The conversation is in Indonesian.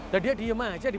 dan dia diam saja